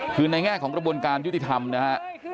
คือในแง่ของกระบวนการยุติธรรมนะฮะ